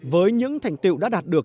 với những thành tựu đã đạt được